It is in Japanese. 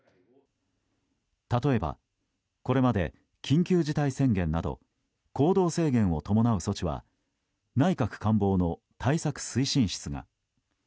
例えば、これまで緊急事態宣言など行動制限を伴う措置は内閣官房の対策推進室が。